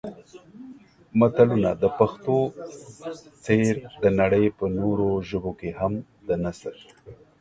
متلونه د پښتو په څېر د نړۍ په نورو ژبو کې هم د نثر